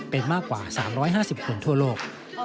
เป็นมากกว่า๓๕๐คนทั่วโลก